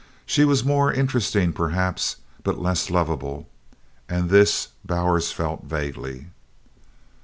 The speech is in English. She was more interesting, perhaps, but less lovable, and this Bowers felt vaguely.